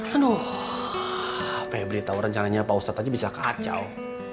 aduh pebri tau rencananya pak ustadz aja bisa kacau